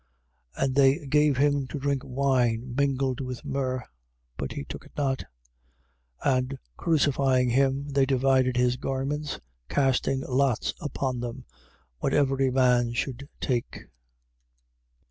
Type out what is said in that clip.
15:23. And they gave him to drink wine mingled with myrrh. But he took it not. 15:24. And crucifying him, they divided his garments, casting lots upon them, what every man should take.